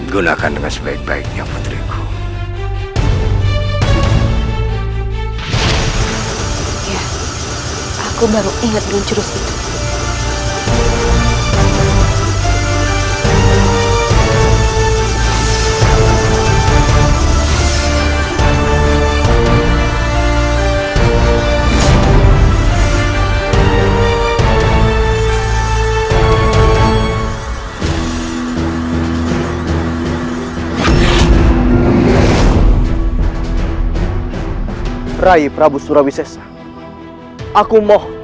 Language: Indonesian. gunakan dengan sebaik baiknya putriku